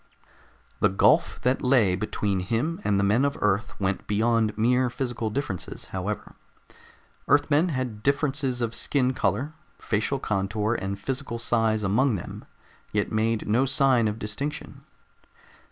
The gulf that lay between him and the men of Earth went beyond mere physical differences, however. Earthmen had differences of skin color, facial contour and physical size among them, yet made no sign of distinction.